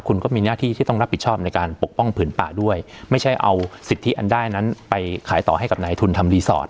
คุณก็มีหน้าที่ที่ต้องรับผิดชอบในการปกป้องผืนป่าด้วยไม่ใช่เอาสิทธิอันได้นั้นไปขายต่อให้กับนายทุนทำรีสอร์ท